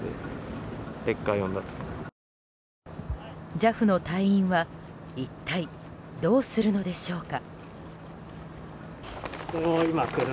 ＪＡＦの隊員は一体どうするのでしょうか。